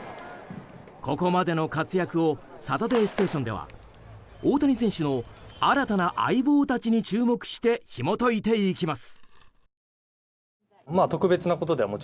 ここまでの活躍を「サタデーステーション」では大谷選手の新たな相棒たちに注目して、ひも解いていきます。